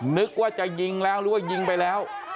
นึกว่าจะยิงแล้วหรือว่ายิงไปแล้ว